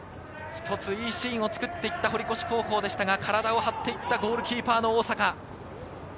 一つ、いいシーンを作っていった堀越高校でしたが、体を張ったゴールキーパー・大阪。